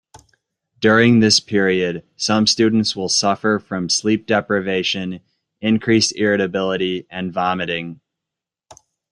During this period, some students will suffer from sleep deprivation, increased irritability, and vomiting.